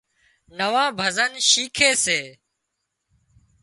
نوان ڀزن شيکي سي